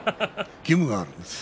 義務があるんです。